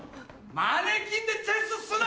マネキンでチェスすな！